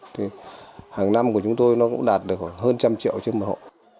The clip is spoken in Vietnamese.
thì hàng năm của chúng tôi nó cũng đạt được hơn trăm triệu trên một hộ